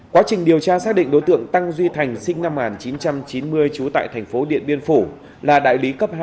quá trình điều tra xác định đối tượng tăng duy thành sinh năm một nghìn chín trăm chín mươi trú tại thành phố điện biên phủ là đại lý cấp hai